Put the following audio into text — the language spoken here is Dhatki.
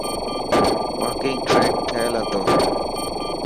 واڪنگ ٽريڪ ٺهيل هتو.